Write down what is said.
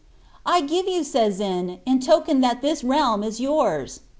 I give yon seisin, in token I (bai this realm is yours."